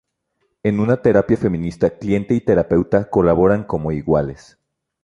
En una terapia feminista cliente y terapeuta colaboran como iguales.